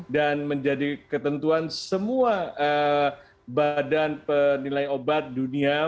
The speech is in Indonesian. dan menjadi ketentuan semua badan penilai obat dunia